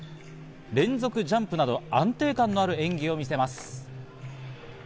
連続ジャンプなど安定感のある演技を見せます。